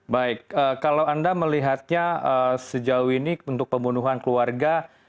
baik kalau anda melihatnya sejauh ini untuk pembunuhan keluarga